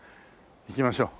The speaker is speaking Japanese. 行きましょう。